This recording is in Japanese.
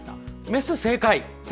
メス、正解！